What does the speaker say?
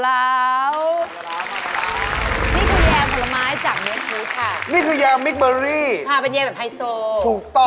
มาแล้ว